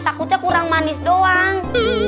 takutnya kurang manis doang